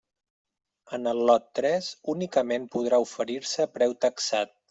En el lot tres únicament podrà oferir-se preu taxat.